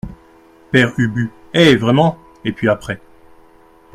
Père Ubu Eh vraiment ! et puis après ?